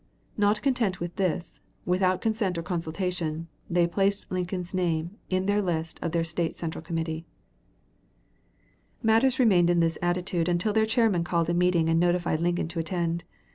Not content with this, without consent or consultation, they placed Lincoln's name in the list of their State Central Committee. [Sidenote: Lincoln to Codding, Nov. 27, 1854. MS.] Matters remained in this attitude until their chairman called a meeting and notified Lincoln to attend.